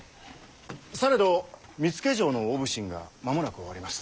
されど見附城の大普請が間もなく終わります。